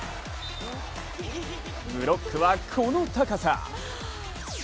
ブロックは、この高さ。